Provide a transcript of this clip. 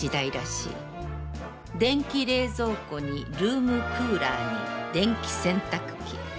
電気冷蔵庫にルウム・クウラアに電気洗濯機。